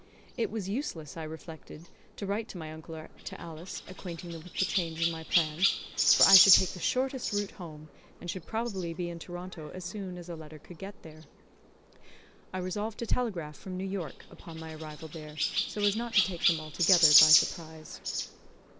It was useless, I reflected, to write to my uncle or to Alice, acquainting them with the change in my plans, for I should take the shortest route home, and should probably be in Toronto as soon as a letter could get there. I resolved to telegraph from New York, upon my arrival there, so as not to take them altogether by surprise.